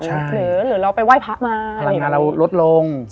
หรือเราไปไหว้พระมาพลังงานเราลดลง